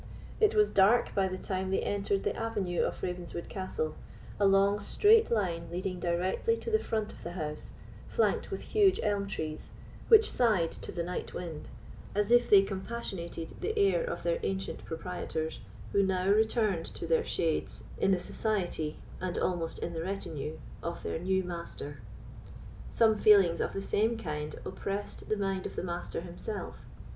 It was dark by the time they entered the avenue of Ravenswood Castle, a long straight line leading directly to the front of the house, flanked with huge elm trees, which sighed to the night wind, as if they compassionated the heir of their ancient proprietors, who now returned to their shades in the society, and almost in the retinue, of their new master. Some feelings of the same kind oppressed the mind of the Master himself.